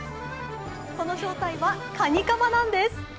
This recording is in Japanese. その正体はカニカマなんです。